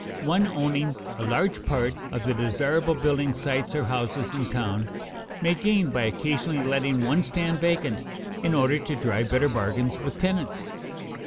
One owning a large part of the desirable building sites or houses in town may gain by occasionally letting one stand vacant in order to drive better bargains with tenants.